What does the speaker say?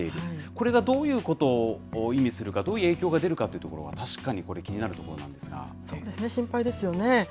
これがどういうことを意味するか、どういう影響が出るかというところは、確かにこれ、心配ですよね。